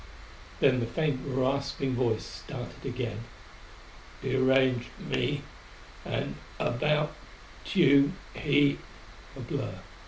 Then the faint, rasping voice started again. "Deranged me.... And about Tugh, he " A blur.